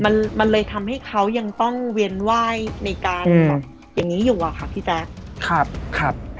มันมันเลยทำให้เขายังต้องเวียนไหว้ในการแบบอย่างนี้อยู่อะค่ะพี่แจ๊คครับครับ